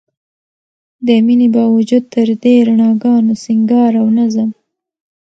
د مينې باوجود تر دې رڼاګانو، سينګار او نظم